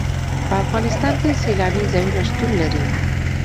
په افغانستان کې سیلانی ځایونه شتون لري.